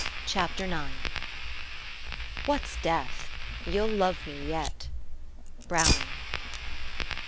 163 CHAPTER IX. " What's death? You'll love me yet! " BROWNING.